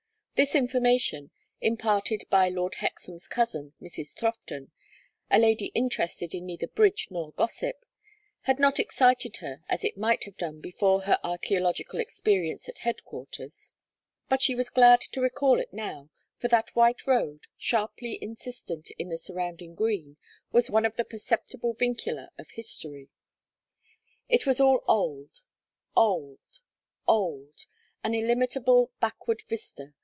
This information, imparted by Lord Hexam's cousin, Mrs. Throfton, a lady interested in neither Bridge nor gossip, had not excited her as it might have done before her archæological experience at headquarters, but she was glad to recall it now, for that white road, sharply insistent in the surrounding green, was one of the perceptible vincula of history. It was all old old old; an illimitable backward vista.